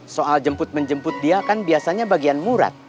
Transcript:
soal jemput menjemput dia kan biasanya bagian murad